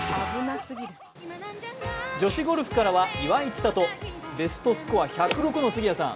女子ゴルフからは岩井千怜ベストスコア１０６の杉谷さん